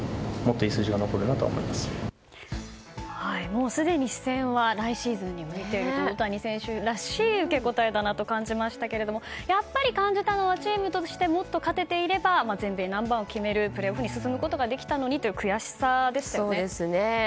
もうすでに視線は来シーズンに向いている大谷選手らしい受け答えだなと感じましたがやっぱり感じたのはチームとしてもっと勝てていれば全米ナンバー１を決めるプレーオフに進むことができたのにという悔しさでしたね。